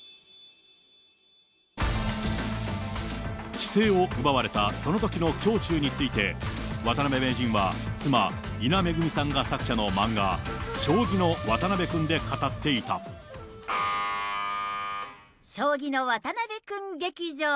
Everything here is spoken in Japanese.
棋聖を奪われたそのときの胸中について、渡辺名人は妻、伊奈めぐみさんが作者の漫画、将棋の渡辺くん劇場。